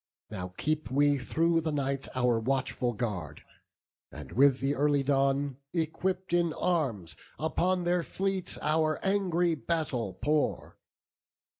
Now keep we through the night our watchful guard; And with the early dawn, equipp'd in arms, Upon their fleet our angry battle pour.